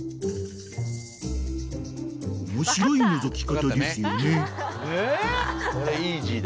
［面白いのぞき方ですよね］